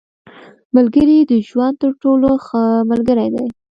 • ملګری د ژوند تر ټولو ښه ملګری دی.